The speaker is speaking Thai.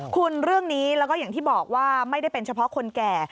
คุณเรื่องนี้แล้วก็อย่างที่บอกว่าไม่ได้เป็นเฉพาะคนแก่